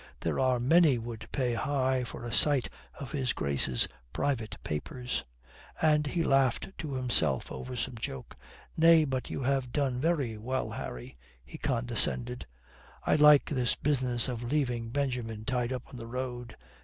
"There be many would pay high for a sight of his Grace's private papers," and he laughed to himself over some joke. "Nay, but you have done very well, Harry," he condescended. "I like this business of leaving Benjamin tied up on the road.